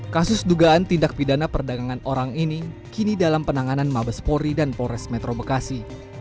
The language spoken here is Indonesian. kasus dugaan tindak pidana perdagangan orang ini kini dalam penanganan mabespori dan polres metro bekasi